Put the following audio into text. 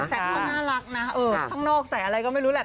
เขาก็น่ารักนะข้างนอกใส่อะไรก็ไม่รู้แหละ